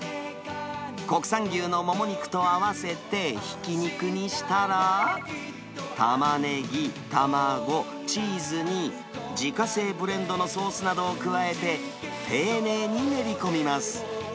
国産牛のモモ肉と合わせて、ひき肉にしたら、タマネギ、卵、チーズに自家製ブレンドのソースなどを加えて、丁寧に練り込みます。